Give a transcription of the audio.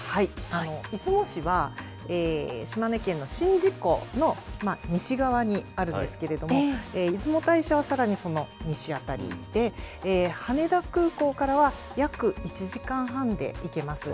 出雲市は、島根県の宍道湖の西側にあるんですけれども、出雲大社はさらにその西辺りで、羽田空港からは約１時間半で行けます。